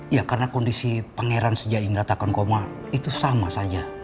ya karena kondisi pangeran sejak ini ratakan koma itu sama saja